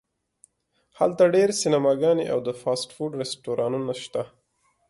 هلته ډیر سینماګانې او د فاسټ فوډ رستورانتونه شته